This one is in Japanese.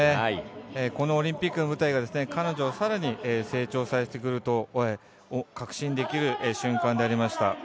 このオリンピックの舞台が彼女を更に成長させてくれると確信できる瞬間でありました。